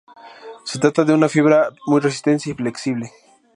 Se trata de una fibra muy resistente y flexible.